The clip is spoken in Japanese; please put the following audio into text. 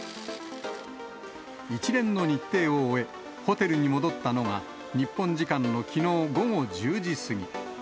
一連の日程を終え、ホテルに戻ったのが日本時間のきのう午後１０時過ぎ。